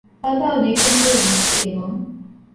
ހދ. ނޭކުރެންދޫ މިސްކިތުގެ އިމާމު